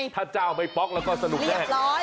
ถ้าจ้าออกไปปล็อกก็สนุกแน่